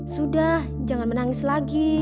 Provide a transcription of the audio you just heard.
sudah jangan menangis lagi